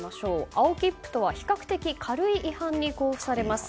青切符とは、比較的軽い違反に交付されます。